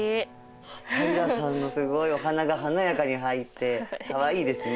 平さんのすごいお花が華やかに入ってかわいいですね。